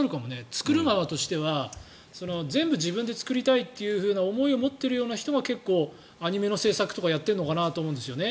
作る側としては全部自分で作りたいという思いを持っているような人が結構、アニメの制作とかやってるのかなと思うんですね。